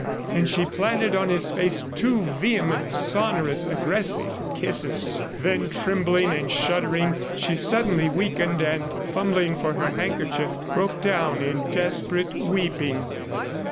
And she planted on his face two vehement, sonorous, aggressive kisses. Then, trembling and shuddering, she suddenly weakened, and fumbling for her handkerchief, broke down in desperate weeping.